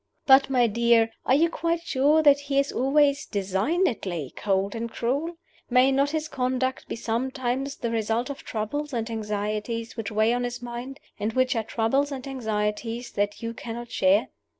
But, my dear, are you quite sure that he is always designedly cold and cruel? May not his conduct be sometimes the result of troubles and anxieties which weigh on his mind, and which are troubles and anxieties that you cannot share?